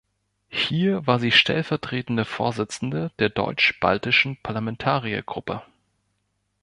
Hier war sie stellvertretende Vorsitzende der Deutsch-Baltischen Parlamentariergruppe.